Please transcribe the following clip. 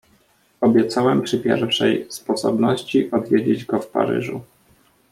"Obiecałem przy pierwszej sposobności odwiedzić go w Paryżu."